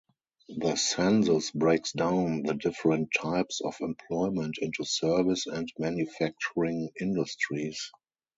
The census breaks down the different types of employment into service and manufacturing industries.